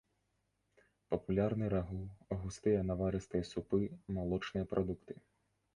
Папулярны рагу, густыя наварыстыя супы, малочныя прадукты.